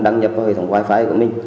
đăng nhập vào hệ thống wifi của mình